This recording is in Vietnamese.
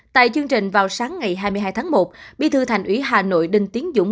tại chương trình vào sáng ngày hai mươi hai tháng một bí thư thành ủy hà nội đinh tiến dũng